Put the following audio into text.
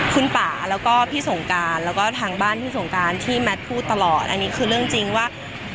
คุณป่าแล้วก็พี่สงการแล้วก็ทางบ้านพี่สงการที่แมทพูดตลอดอันนี้คือเรื่องจริงว่า